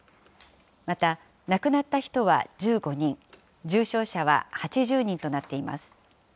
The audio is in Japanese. また、亡くなった人は１５人、重症者は８０人となっています。